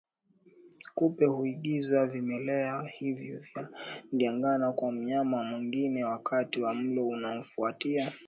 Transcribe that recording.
Kupe huingiza vimelea hivyo vya Ndigana kwa mnyama mwingine wakati wa mlo unaofuatia